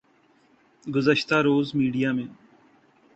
گزشتہ روز میڈیا میں